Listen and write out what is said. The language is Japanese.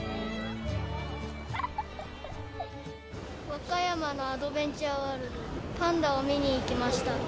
和歌山のアドベンチャーワールドに、パンダを見に行きました。